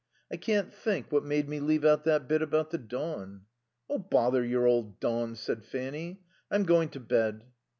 "I can't think what made me leave out that bit about the dawn." "Oh, bother your old dawn," said Fanny. "I'm going to bed."